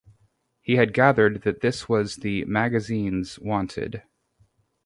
He had gathered that this was what the magazines wanted.